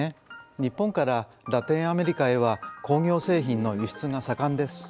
日本からラテンアメリカへは工業製品の輸出が盛んです。